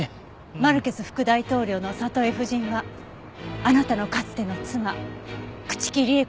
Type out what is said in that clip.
マルケス副大統領のサトエ夫人はあなたのかつての妻朽木里江子さんですね？